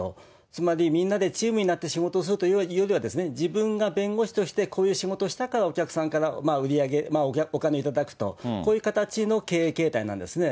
つまりみんなでチームになって仕事をするというよりは、自分が弁護士としてこういう仕事をしたからお客さんから売り上げ、お金を頂くと、こういう形の経営形態なんですね。